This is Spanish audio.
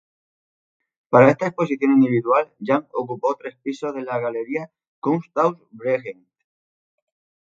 Para esta exposición individual, Yang ocupó tres pisos de la galería en Kunsthaus Bregenz.